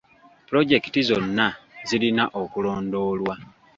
Pulojekiti zonna zirina okulondoolwa.